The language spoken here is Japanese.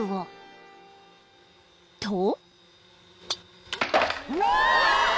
［と］